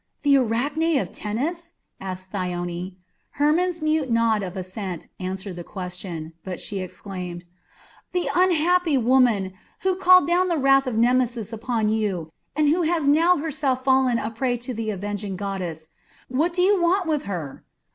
"The Arachne of Tennis?" asked Thyone. Hermon's mute nod of assent answered the question, but she exclaimed: "The unhappy woman, who called down the wrath of Nemesis upon you, and who has now herself fallen a prey to the avenging goddess. What do you want from her?"